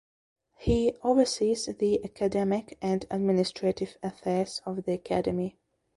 He oversees the academic and administrative affairs of the academy.